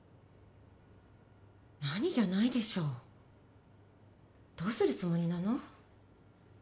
何じゃないでしょどうするつもりなの？